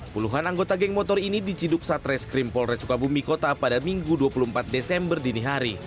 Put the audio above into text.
puluhan anggota geng motor ini diciduk satreskrim polres sukabumi kota pada minggu dua puluh empat desember dini hari